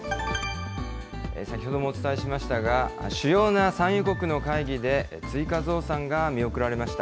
先ほどもお伝えしましたが、主要な産油国の会議で追加増産が見送られました。